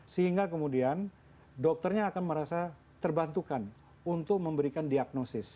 sehingga kemudian dokternya akan merasa terbantukan untuk memberikan diagnosis